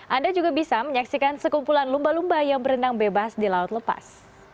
anda juga bisa menyaksikan sekumpulan lumba lumba yang berenang bebas di laut lepas